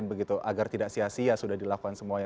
begitu agar tidak sia sia sudah dilakukan semuanya